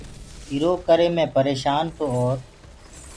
ايٚرو ڪري مي پريشآن تو اور